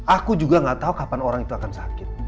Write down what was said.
aku juga gak tahu kapan orang itu akan sakit